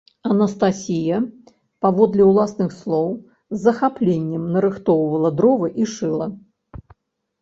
Анастасія, паводле ўласных слоў, з захапленнем нарыхтоўвала дровы і шыла.